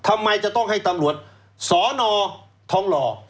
ทำไมจะต้องให้ตำรวจสนทองหล่อ